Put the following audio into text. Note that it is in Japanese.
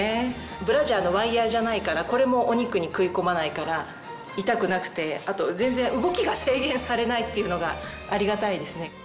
ブラジャーのワイヤじゃないからこれもお肉に食い込まないから痛くなくてあと全然動きが制限されないっていうのがありがたいですね。